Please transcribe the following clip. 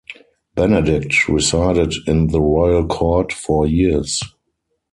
Benedict resided in the royal court for years.